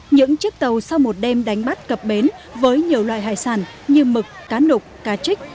những chiếc tàu sau một đêm đánh bắt cập bến với nhiều loại hải sản như mực cá nục cá trích